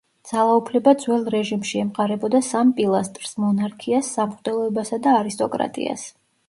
ძალაუფლება ძველ რეჟიმში ემყარებოდა სამ პილასტრს: მონარქიას, სამღვდელოებასა და არისტოკრატიას.